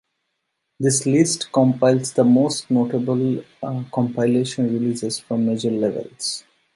This list compiles the most notable compilation releases from major labels.